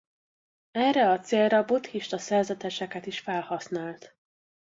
Erre a célra buddhista szerzeteseket is felhasznált.